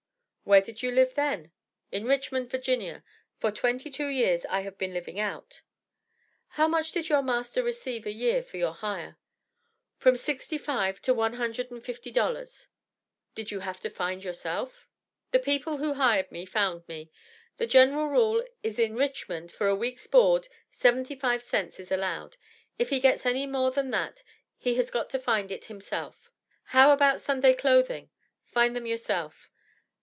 "Where did you live then?" "In Richmond, Va.; for twenty two years I have been living out." "How much did your master receive a year for your hire?" "From sixty five to one hundred and fifty dollars." "Did you have to find yourself?" "The people who hired me found me. The general rule is in Richmond, for a week's board, seventy five cents is allowed; if he gets any more than that he has got to find it himself." "How about Sunday clothing?" "Find them yourself?"